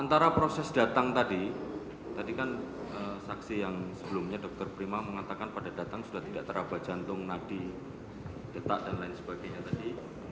antara proses datang tadi tadi kan saksi yang sebelumnya dokter prima mengatakan pada datang sudah tidak teraba jantung nadi detak dan lain sebagainya tadi